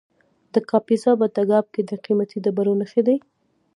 د کاپیسا په تګاب کې د قیمتي ډبرو نښې دي.